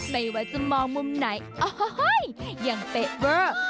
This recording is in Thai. ไม่ว่าจะมองมุมไหนโอ้ยยังเป๊ะเวอร์